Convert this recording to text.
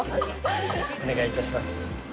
お願いいたします。